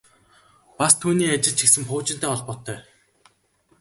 Бас түүний ажил ч гэсэн пуужинтай холбоотой.